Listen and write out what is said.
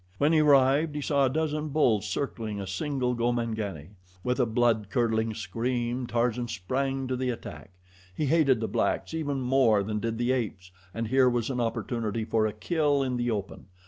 When he arrived he saw a dozen bulls circling a single Gomangani. With a blood curdling scream Tarzan sprang to the attack. He hated the blacks even more than did the apes, and here was an opportunity for a kill in the open.